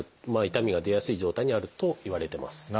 痛みが出やすい状態にあるといわれてます。